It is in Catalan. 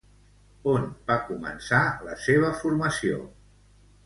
On va començar la seva formació?